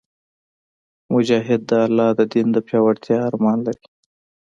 مجاهد د الله د دین د پیاوړتیا ارمان لري.